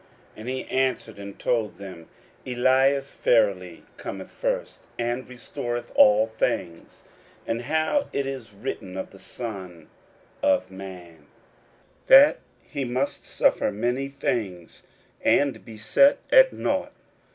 41:009:012 And he answered and told them, Elias verily cometh first, and restoreth all things; and how it is written of the Son of man, that he must suffer many things, and be set at nought.